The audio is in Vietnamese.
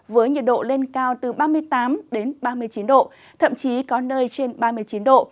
với nhiệt độ lên cao từ ba mươi tám đến ba mươi chín độ